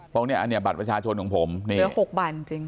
เพราะว่าอันนี้บัตรวัชชาชนของผมเหลือ๖บาทจริง